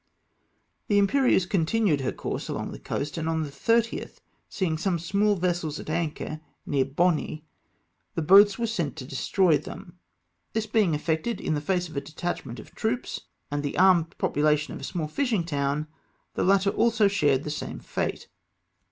The Impcrieuse continued her course along the coast, and on the 30th, seeing some smaU vessels at anchor near Boni, the boats were sent to destroy them. This being effected in the face of a detachment of troops and the armed population of a small fishing town, the latter also shared the same fate.